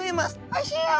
「おいしいよ。